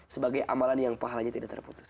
sebagai amalan yang pahalanya tidak terputus